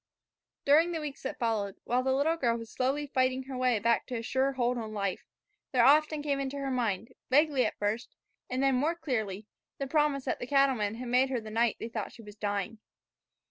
DURING the weeks that followed, while the little girl was slowly fighting her way back to a sure hold on life, there often came into her mind, vaguely at first and then more clearly, the promise that the cattleman had made her the night they thought she was dying.